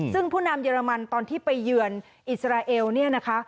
ซึ่งผู้นำเยอรมันตอนที่ไปเยือนอิสราเอลเนี่ยนะคะ